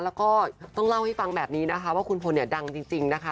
แล้วก็ต้องเล่าให้ฟังแบบนี้นะคะว่าคุณพลเนี่ยดังจริงนะคะ